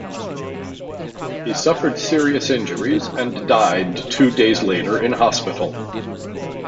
He suffered serious injuries and died two days later in hospital.